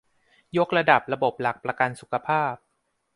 ยกระดับระบบหลักประกันสุขภาพ